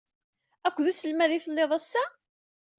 Akked uselmad ay tellid ass-a?